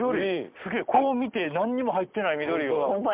すげぇこう見て何にも入ってない緑を。